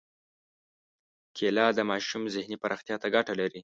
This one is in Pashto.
کېله د ماشوم ذهني پراختیا ته ګټه لري.